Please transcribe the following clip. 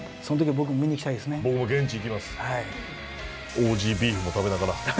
オージー・ビーフも食べながら。